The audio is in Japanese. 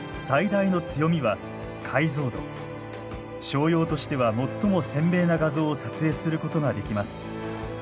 商用としては最も鮮明な画像を撮影することができます。